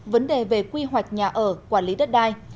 vấn đề về quy hoạch nhà ở quản lý đất đai